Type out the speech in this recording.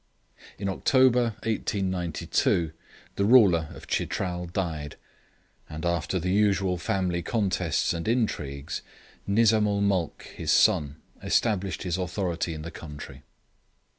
In October 1892 the ruler of Chitral died, and after the usual family contests and intrigues, Nizamul Mulk, his son, established his authority in the country.